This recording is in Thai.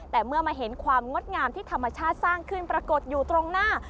แต่เมื่อมาเห็นความงดงามที่ธรรมชาติสร้างขึ้นปรากฏอยู่ตรงหน้า